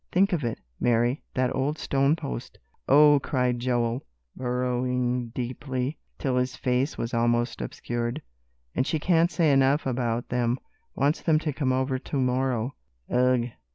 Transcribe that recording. Think of it, Mary, that old stone post!" "Oh!" cried Joel, burrowing deeply, till his face was almost obscured. "And she can't say enough about them. Wants them to come over to morrow." "Ugh!"